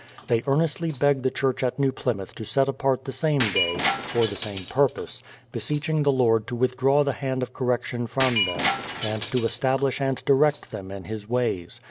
They earnestly beg the church at New Pli^mouth to set apart the same day, for the same purpose, beseeching the Lord to withdraw the hand of correction from them, and to establish and direct them in His ways.